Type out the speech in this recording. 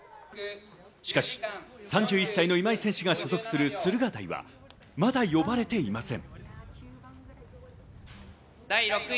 しかし３１歳の今井選手が所属する駿河台はまだ呼ばれていません。